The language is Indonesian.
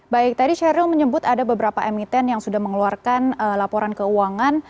baik tadi sheryl menyebut ada beberapa emiten yang sudah mengeluarkan laporan keuangan